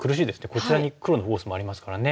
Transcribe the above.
こちらに黒のフォースもありますからね。